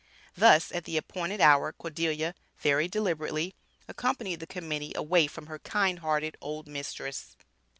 Thus, at the appointed hour, Cordelia, very deliberately, accompanied the Committee away from her "kind hearted old mistress."